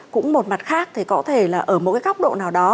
cũng một mặt khác thì có thể là ở một cái góc độ nào đó